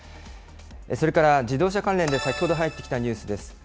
それから自動車関連で先ほど入ってきたニュースです。